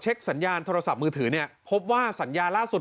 สัญญาณโทรศัพท์มือถือเนี่ยพบว่าสัญญาล่าสุด